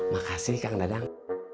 makasih kang dadang